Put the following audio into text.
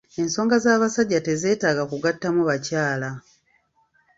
Ensonga z'abasajja tezeetaaga kugattamu bakyala.